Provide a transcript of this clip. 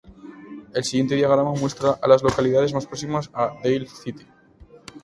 El siguiente diagrama muestra a las localidades más próximas a Dale City.